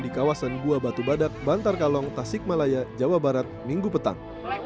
di kawasan gua batu badak bantar kalong tasik malaya jawa barat minggu petang